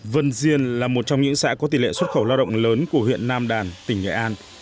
vân diên là một trong những xã có tỷ lệ xuất khẩu lao động lớn của huyện nam đàn tỉnh nghệ an